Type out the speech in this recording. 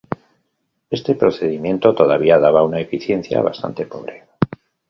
Este procedimiento todavía daba una eficiencia bastante pobre.